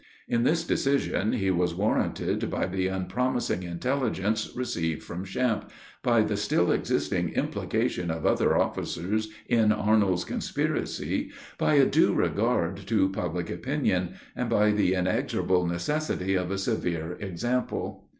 In this decision he was warranted by the unpromising intelligence received from Champe by the still existing implication of other officers in Arnold's conspiracy by a due regard to public opinion, and by the inexorable necessity of a severe example.